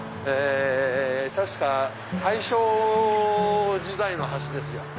確か大正時代の橋ですよ。